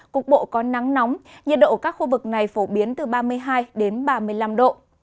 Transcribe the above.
cục bộ có nắng nóng nhiệt độ ở các khu vực này phổ biến từ ba mươi hai đến ba mươi năm độ